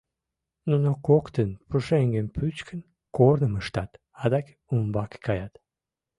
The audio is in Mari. Нуно коктын, пушеҥгым пӱчкын, корным ыштат, адак умбаке каят.